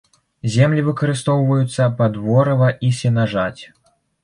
Землі выкарыстоўваюцца пад ворыва і сенажаць.